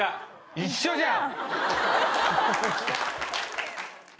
一緒じゃん。